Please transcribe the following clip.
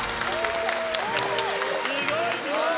すごいすごい！